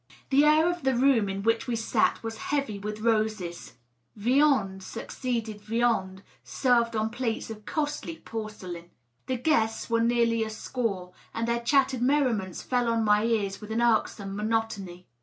The air of the room in which we sat was heavy with roses. Viand succeeded viand, served on plates of costly porcelain. The guests were nearly a score, and their chattered merriments fell on my ears with an irksome monotony.